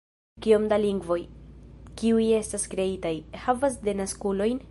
Kiom da lingvoj, kiuj estas kreitaj, havas denaskulojn?